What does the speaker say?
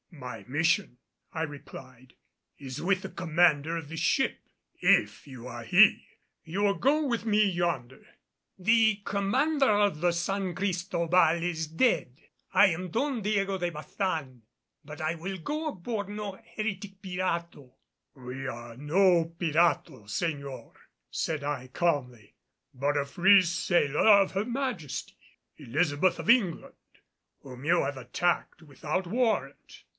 "My mission," I replied, "is with the commander of this ship. If you are he, you will go with me yonder." "The commander of the San Cristobal is dead. I am Don Diego de Baçan. But I will go aboard no heretic pirato." "We are no pirato, señor," said I calmly, "but a free sailer of Her Majesty, Elizabeth of England, whom you have attacked without warrant."